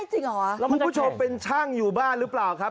คุณผู้ชมเป็นช่างอยู่บ้านหรือเปล่าครับ